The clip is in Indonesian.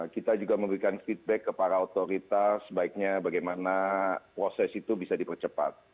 kita juga memberikan feedback ke para otoritas sebaiknya bagaimana proses itu bisa dipercepat